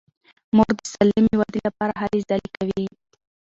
مور د سالمې ودې لپاره هلې ځلې کوي.